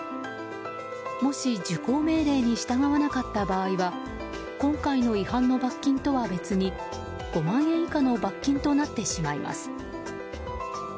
もし受講命令に従わなかった場合は今回の違反の罰金とは別に５万円以下の罰金となってしまいます。